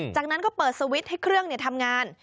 จากนั้นก็เปิดสวิตช์ให้เครื่องทำงาน